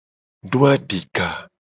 Do adika.